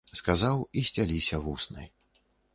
Сказаў, і сцяліся вусны.